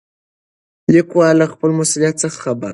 لیکوال له خپل مسؤلیت څخه خبر دی.